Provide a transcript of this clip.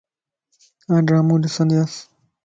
آن ڊرامو ڏندياس